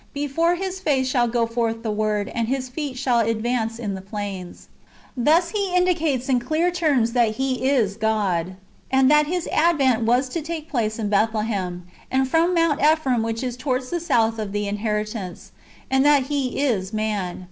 Before His face shall go forth the Word, and His feet shall advance in the plains."^ Thus he indicates in clear terms that He is God, and that His advent was [to take place] in Bethlehem, and from Mount Effrem, which is towards the south of the inheritance, and that [He is] man.